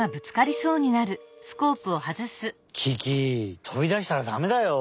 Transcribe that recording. キキとびだしたらだめだよ。